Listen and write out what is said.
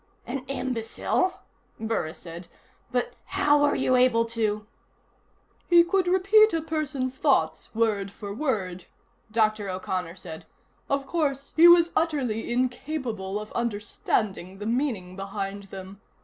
"An imbecile?" Burris said. "But how were you able to " "He could repeat a person's thoughts word for word," Dr. O'Connor said. "Of course, he was utterly incapable of understanding the meaning behind them.